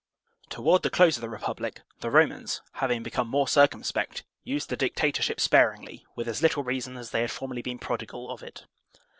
Toward the close of the Republic, the Romans, hav ing become more circumspect, used the dictatorship spar ingly with as little reason as they had formerly been prodigal of it.